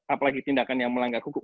apalagi tindakan yang melanggar hukum